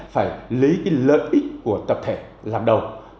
phải lấy cái lợi ích của tập thể làm đầu